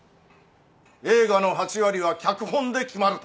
映画の８割は脚本で決まると。